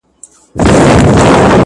زموږ د شاهباز له شاهپرونو سره لوبي کوي٫